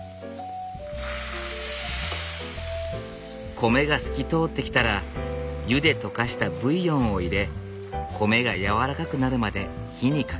米が透き通ってきたら湯で溶かしたブイヨンを入れ米がやわらかくなるまで火にかける。